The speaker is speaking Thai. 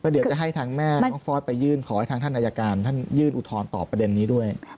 เดี๋ยวจะให้ทางแม่น้องฟอสไปยื่นขอให้ทางท่านอายการท่านยื่นอุทธรณ์ต่อประเด็นนี้ด้วย